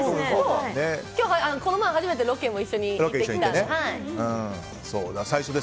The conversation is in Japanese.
この前、初めてロケも一緒に行ってきたので。